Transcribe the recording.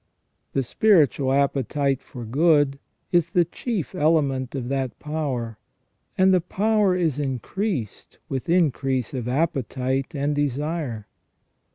The spiritual appetite for good is the chief element of that power, and the power is increased with increase ot appetite and desire.